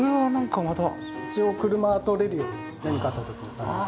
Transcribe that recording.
一応車が通れるように何かあった時のために。